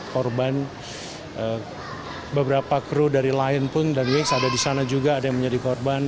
korban beberapa kru dari lain pun dan wax ada di sana juga ada yang menjadi korban